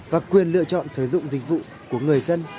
và quyền lựa chọn sử dụng dịch vụ của người dân